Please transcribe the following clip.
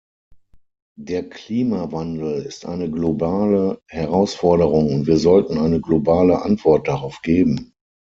Der Klimawandel ist eine globale Herausforderung, und wir sollten eine globale Antwort darauf geben.